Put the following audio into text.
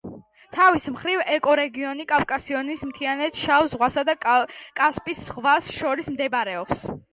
თავის მხრივ, ეკორეგიონი კავკასიონის მთიანეთს, შავ ზღვასა და კასპიის ზღვას შორის მდებარეობს.